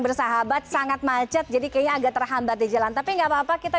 bersahabat sangat macet jadi kayaknya agak terhambat di jalan tapi enggak apa apa kita